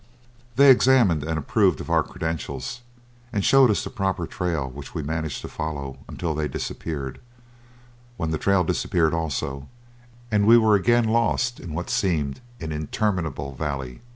They examined and approved of our credentials, and showed us the proper trail which we managed to follow until they had disappeared, when the trail disappeared also, and we were again lost in what seemed an interminable valley.